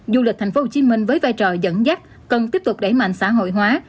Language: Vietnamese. du lịch thành phố hồ chí minh với vai trò dẫn dắt cần tiếp tục đẩy mạnh xã hội hóa